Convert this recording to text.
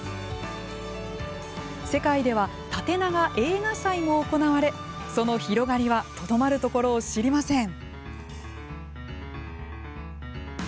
世界では縦長映画祭も行われその広がりはとどまるところを知りません。